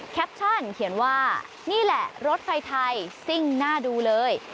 แคปชั่นเขียนว่านี่แหละรถไฟไทยซิ่งหน้าดูเลย